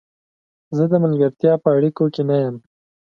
زه د ملګرتیا په اړیکو کې نه یم.